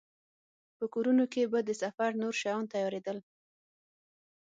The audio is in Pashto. په کورونو کې به د سفر نور شیان تيارېدل.